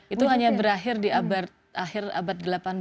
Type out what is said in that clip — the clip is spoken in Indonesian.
itu hanya berakhir di akhir abad delapan belas